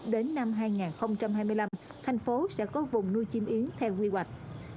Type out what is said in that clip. đến năm hai nghìn hai mươi năm thành phố sẽ có vùng nuôi chim yến theo quy hoạch